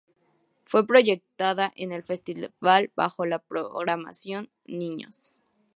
Fue proyectada en el festival bajo la programación "Niños".